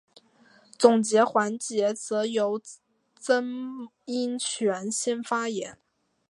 总结环节则由曾荫权先发言。